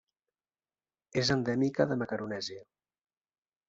És endèmica de Macaronèsia.